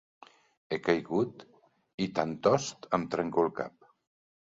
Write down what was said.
He caigut, i tantost em trenco el cap.